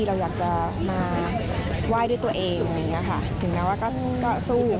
เราอยากจะมาไหว้ด้วยตัวเองอะไรอย่างเงี้ยค่ะถึงแม้ว่าก็สู้